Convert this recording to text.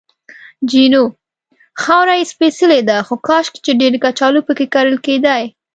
جینو: خاوره یې سپېڅلې ده، خو کاشکې چې ډېرې کچالو پکې کرل کېدای.